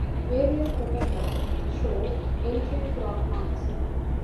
Aerial photographs show ancient crop marks.